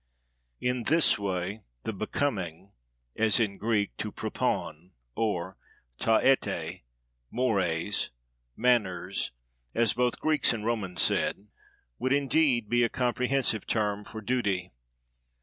In this way, the becoming, as in Greek—to prepon: or ta êthê+ mores, manners, as both Greeks and Romans said, would indeed be a comprehensive term for duty.